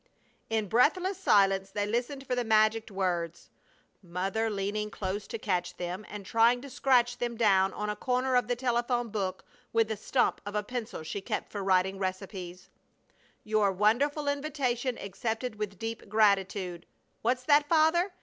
In breathless silence they listened for the magic words, Mother leaning close to catch them and trying to scratch them down on a corner of the telephone book with the stump of a pencil she kept for writing recipes: "Your wonderful invitation accepted with deep gratitude!" "What's that, Father?